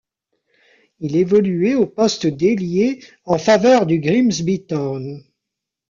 Il évoluait au poste d'ailier en faveur du Grimsby Town.